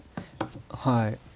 はい。